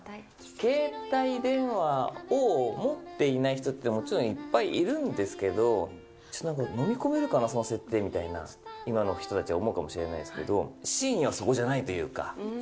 携帯電話を持っていない人って、もちろんいっぱいいるんですけど、飲み込めるかな、その設定みたいな、今の人たちは思うかもしれないですけど、芯はそこじゃないというか。